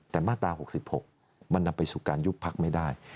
แต่มาตรา๖๖มันนำไปสู่การยุบพักไม่ได้